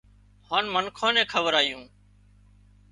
هانَ منکان نين کوَرايون